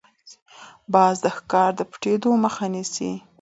باز د ښکار د پټېدو مخه نیسي